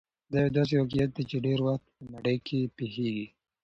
دا يو داسې واقعيت دی چې ډېری وخت په نړۍ کې پېښېږي.